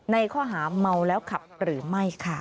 ในข้อหาเมาแล้วขับหรือไม่ค่ะ